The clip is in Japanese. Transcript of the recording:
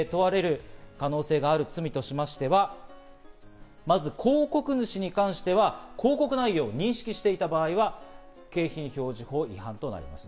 問われる可能性がある罪としましては、まず広告主に関しては広告内容を認識していた場合は景品表示法違反となります。